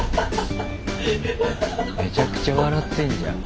めちゃくちゃ笑ってんじゃん。